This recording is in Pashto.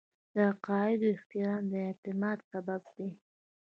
د عقایدو احترام د اعتماد سبب دی.